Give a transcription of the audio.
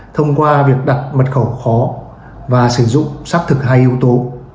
thông qua việc đặt mật khẩu khó và sử dụng xác thực hai yếu tố